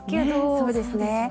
そうですね。